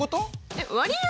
えっ割合